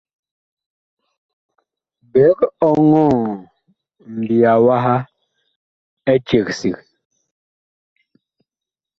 Biig ɔŋɔɔ mbiya waha eceg sig.